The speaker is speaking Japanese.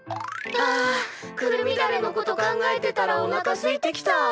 あくるみだれのこと考えてたらおなかすいてきた。